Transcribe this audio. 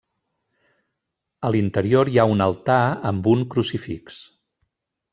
A l'interior hi ha un altar amb un crucifix.